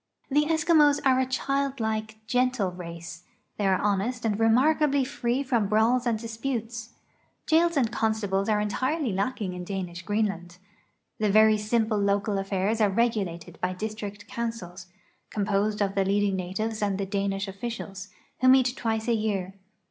The Eskimos are a childlike, gentle race. They are honest and remarkably free from brawls and disputes. Jails and con stables are entirely lacking in Danish Greenland. The very simple local affairs are regulated by district councils, composed of the leading natives and the Danish officials, who meet twice a year.